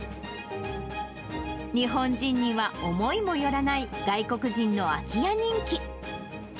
日本人には思いもよらない外国人の空き家人気。